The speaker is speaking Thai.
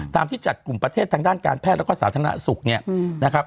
ที่จัดกลุ่มประเทศทางด้านการแพทย์แล้วก็สาธารณสุขเนี่ยนะครับ